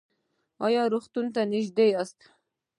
ایا روغتون ته نږدې یاست؟